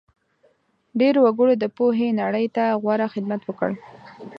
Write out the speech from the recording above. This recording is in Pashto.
ډېرو وګړو د پوهې نړۍ ته غوره خدمت وکړ.